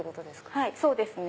はいそうですね。